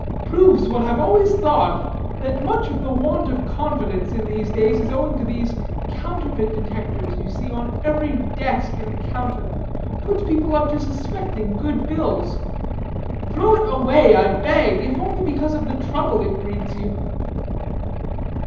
Proves what I've always thought, that much of the want of confidence, in these days, is owing to these Counterfeit Detectors you see on every desk and counter. Puts people up to suspecting good bills. Throw it away, I beg, if only because of the trouble it breeds you."